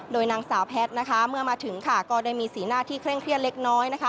โดยนางสาวแพทย์เมื่อมาถึงก็ได้มีสีหน้าที่เคร่งเครียดเล็กน้อย